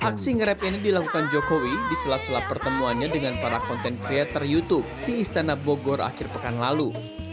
aksi ngerep ini dilakukan jokowi di sela sela pertemuannya dengan para content creator youtube di istana bogor akhir pekan lalu